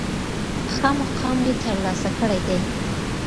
ښه مقام یې تر لاسه کړی دی.